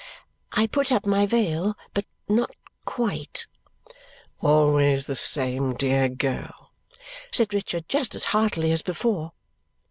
I put my veil up, but not quite. "Always the same dear girl!" said Richard just as heartily as before.